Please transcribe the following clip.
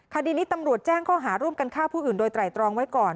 คดีนี้ตำรวจแจ้งข้อหาร่วมกันฆ่าผู้อื่นโดยไตรตรองไว้ก่อน